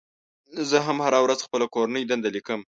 زه هم هره ورځ خپله کورنۍ دنده لیکم.